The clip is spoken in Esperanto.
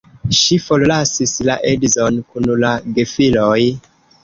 Ŝi forlasis la edzon kun la gefiloj.